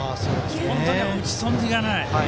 本当に打ち損じがない。